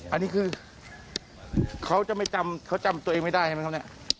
อันนี้คือเค้าจะไม่จำเค้าจำตัวเองไม่ได้เหรอครับ